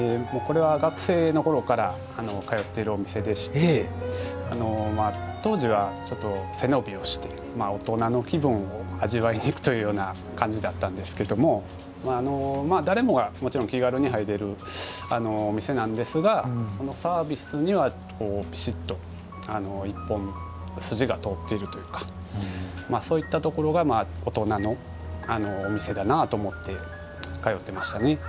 これは学生の頃から通ってるお店でして当時はちょっと背伸びをして大人の気分を味わいに行くというような感じだったんですけども誰もがもちろん気軽に入れるお店なんですがサービスにはピシッと一本筋が通っているというかそういったところが大人のお店だなと思って通ってましたね。